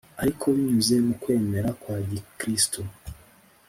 Ariko binyuze mu kwemera kwa gikristu